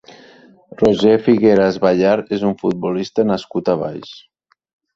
Roger Figueras Ballart és un futbolista nascut a Valls.